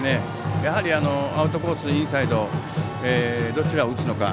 アウトコース、インサイドどちらを打つのか。